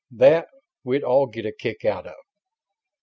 "That we'd all get a kick out of."